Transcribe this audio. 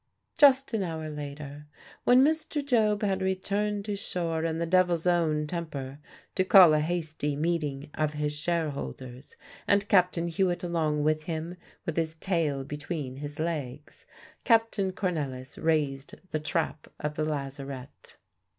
Just an hour later, when Mr. Job had returned to shore in the devil's own temper to call a hasty meeting of his shareholders and Captain Hewitt along with him, with his tail between his Legs Captain Cornelisz raised the trap of the lazarette.